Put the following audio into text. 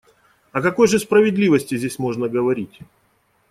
О какой же справедливости здесь можно говорить?